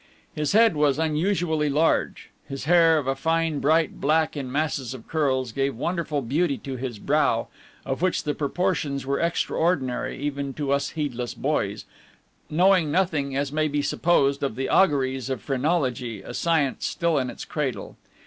His head was unusually large. His hair, of a fine, bright black in masses of curls, gave wonderful beauty to his brow, of which the proportions were extraordinary even to us heedless boys, knowing nothing, as may be supposed, of the auguries of phrenology, a science still in its cradle.